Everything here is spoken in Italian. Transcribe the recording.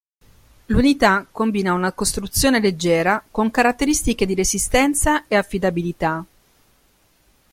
L'unità combina una costruzione leggera con caratteristiche di resistenza e affidabilità.